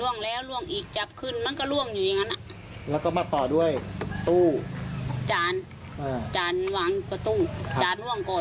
เมื่อวานทั้งสู้กับข้าวทั้งจานทั้งอะไรทุกอย่าง